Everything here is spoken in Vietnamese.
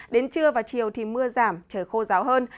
đến trưa và chiều thì mưa giảm trời khô ráo hơn